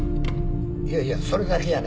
いやいやそれだけやないねん。